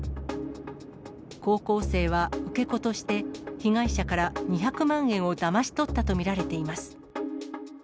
高校生は受け子として、被害者から２００万円をだまし取ったと見られています。